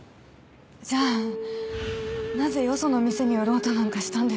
じゃあなぜよその店に売ろうとなんかしたんです？